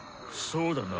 そうだな。